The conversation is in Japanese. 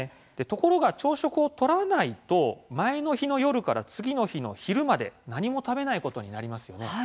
ところが朝食をとらないと前の日の夜から次の日の昼まで何も食べないことになります。